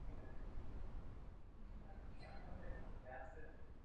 Mimo Evropu se vyskytuje taktéž v severní Africe a Asii.